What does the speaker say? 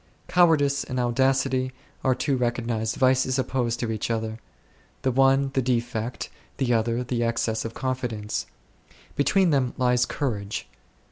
Cowardice and audacity are two recognized vices opposed to each other; the one the defect, the other the excess of confidence ; between them lies courage.